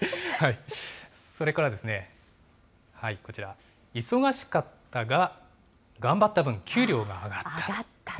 それからですね、こちら、忙しかったが、頑張った分、給料が上がった。